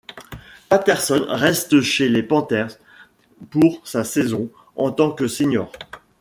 Patterson reste chez les Panthers pour sa saison en tant que senior.